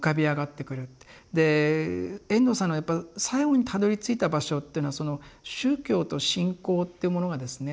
で遠藤さんのやっぱ最後にたどりついた場所っていうのは宗教と信仰ってものがですね